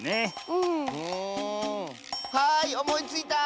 うんはいおもいついた！